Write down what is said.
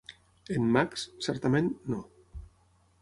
En "Max", certament, no.